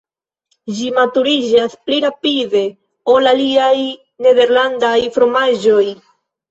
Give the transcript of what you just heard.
Ĝi maturiĝas pli rapide ol aliaj nederlandaj fromaĝoj.